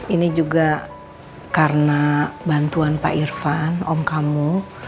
ini juga karena bantuan pak irfan om kamu